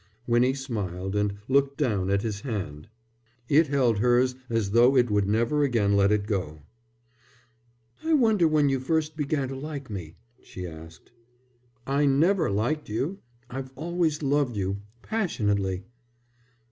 Winnie smiled and looked down at his hand. It held hers as though it would never again let it go. "I wonder when you first began to like me?" she asked. "I've never liked you. I've always loved you, passionately."